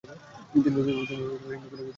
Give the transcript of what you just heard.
তিনি হিন্দু কলেজে ভর্তি হন।